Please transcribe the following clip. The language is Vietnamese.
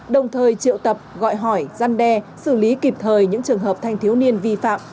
đồng thời triệu tập gọi hỏi gian đe xử lý kịp thời những trường hợp thanh thiếu niên vi phạm